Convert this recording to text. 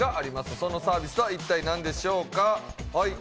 そのサービスとは一体何でしょうか。